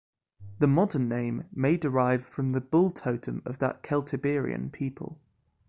The modern name may derive from the bull totem of that Celtiberian people.